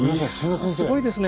いやすごいですね。